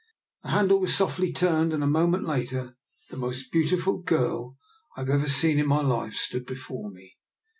The handle was softlv turned, and a moment later the most beautiful girl I have ever seen in my life stood before me.